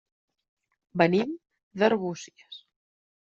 Venim d'Arbúcies.